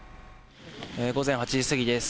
午前８時過ぎです。